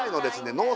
農村